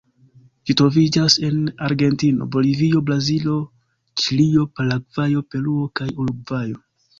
Ĝi troviĝas en Argentino, Bolivio, Brazilo, Ĉilio, Paragvajo, Peruo kaj Urugvajo.